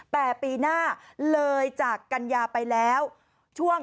แต่ปีหน้าเลยจากกัญญาไปแล้วช่วง